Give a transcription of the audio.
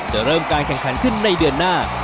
เริ่มการแข่งขันขึ้นในเดือนหน้า